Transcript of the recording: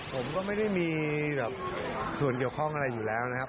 ผมก็ไม่ได้มีส่วนเกี่ยวข้องอะไรอยู่แล้วนะครับ